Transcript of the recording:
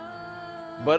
banyak belanja melalui online